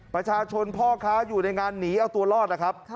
ประชาชนพ่อค้าอยู่ในงานหนีเอาตัวรอดนะครับ